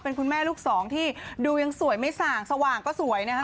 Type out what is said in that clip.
เป็นคุณแม่ลูกสองที่ดูยังสวยไม่ส่างสว่างก็สวยนะคะ